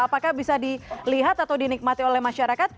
apakah bisa dilihat atau dinikmati oleh masyarakat